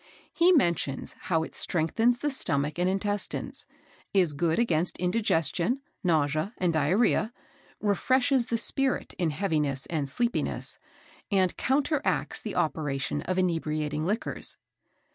He mentions how it strengthens the stomach and intestines, is good against indigestion, nausea, and diarrhœa, refreshes the spirit in heaviness and sleepiness, and counteracts the operation of inebriating liquors.